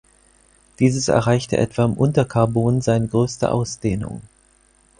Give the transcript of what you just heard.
Dieses erreichte etwa im Unterkarbon seine größte Ausdehnung.